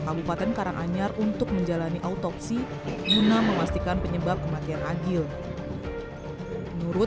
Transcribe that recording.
kabupaten karanganyar untuk menjalani autopsi guna memastikan penyebab kematian agil menurut